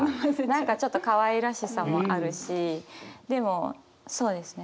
何かちょっとかわいらしさもあるしでもそうですね